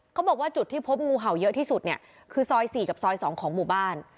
เขาบอกว่าจุดที่พบงูเห่าเยอะที่สุดเนี่ยคือซอย๔กับซอย๒ของหมู่บ้าน